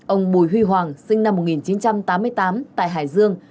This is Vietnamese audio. ông bùi huy hoàng sinh năm một nghìn chín trăm tám mươi tám tại hải dương